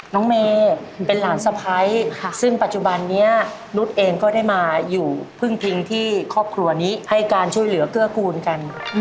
น้องเมย์เป็นหลานสะพ้ายซึ่งปัจจุบันนี้นุษย์เองก็ได้มาอยู่พึ่งพิงที่ครอบครัวนี้ให้การช่วยเหลือเกื้อกูลกัน